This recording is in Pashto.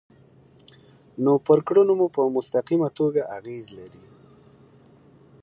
نو پر کړنو مو په مستقیمه توګه اغیز لري.